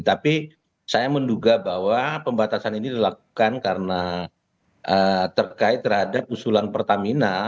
tapi saya menduga bahwa pembatasan ini dilakukan karena terkait terhadap usulan pertamina